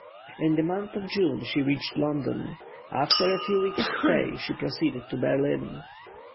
In the month of June she reached London. After a few weeks' stay she proceeded to Berlin.